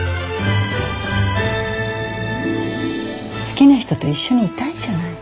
好きな人と一緒にいたいじゃない。